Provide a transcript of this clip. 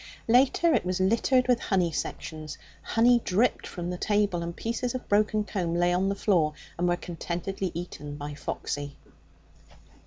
Later it was littered with honey sections; honey dripped from the table, and pieces of broken comb lay on the floor and were contentedly eaten by Foxy.